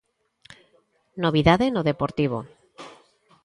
Novidade no Deportivo.